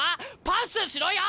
パスしろよ！